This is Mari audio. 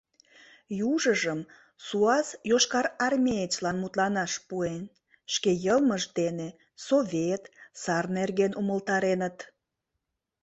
Южыжым суас йошкарармеецлан мутланаш пуэн, шке йылмышт дене Совет, сар нерген умылтареныт.